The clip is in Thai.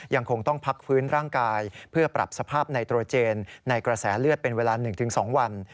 ยังคงต้องพักฟื้นร่างกายเพื่อปรับสภาพไนโตรเจนในกระแสเลือดเป็นเวลา๑๒วัน